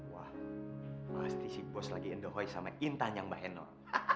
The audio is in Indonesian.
wah pasti si bos lagi endohoy sama intan yang bahenor